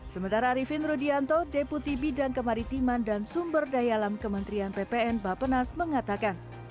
sementara arifin rudianto deputi bidang kemaritiman dan sumber daya alam kementerian ppn bapenas mengatakan